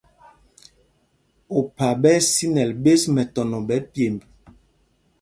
Opha ɓɛ́ ɛ́ sínɛl ɓēs mɛtɔnɔ ɓɛ̌ pyêmb.